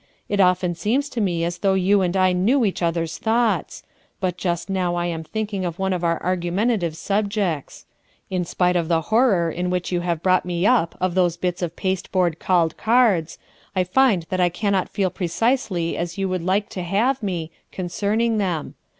"It often seems to me as though you and I knew each other's thoughts. But just now I am thinking of one of our argumentative subjects. In spite of the horror in which you have brought me up of those bits of pasteboard called cards, I find that I cannot feel precisely as you would g RUTH EKSKINE'S SON like to have me,' concerning them.